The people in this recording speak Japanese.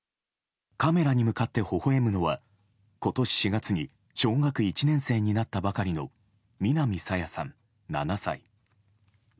カメラに向かってほほ笑むのは今年４月に小学１年生になったばかりの南朝芽さん、７歳。